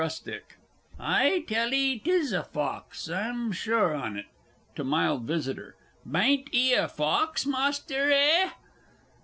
RUSTIC. I tell 'ee 'tis a fawks, I'm sure on it. (To MILD VISITOR) Bain't 'e a fawks, Master, eh?